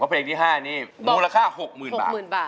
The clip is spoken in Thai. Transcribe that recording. เพลงที่๕นี้มูลค่า๖๐๐๐บาท